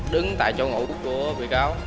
đứng tại chỗ ngủ của bị cáo